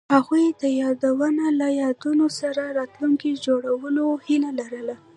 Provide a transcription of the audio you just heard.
هغوی د یادونه له یادونو سره راتلونکی جوړولو هیله لرله.